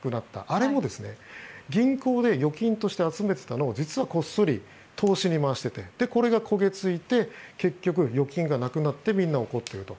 あれも銀行で預金として集めていたのを実はこっそり投資に回していてこれが焦げついて結局、預金がなくなってみんな怒っていると。